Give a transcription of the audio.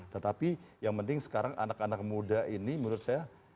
tetapi yang penting sekarang anak anak muda ini menurut saya